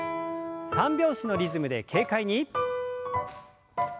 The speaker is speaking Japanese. ３拍子のリズムで軽快に。